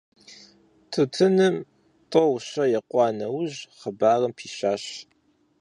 Тутыным тӀэу-щэ екъуа нэужь хъыбарым пищащ.